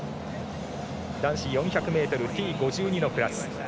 男子４００ｍＴ５２のクラス。